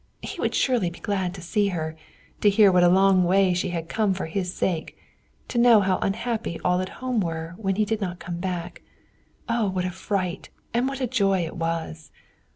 He would surely be glad to see her to hear what a long way she had come for his sake; to know how unhappy all at home were when he did not come back. Oh, what a fright and what a joy it was!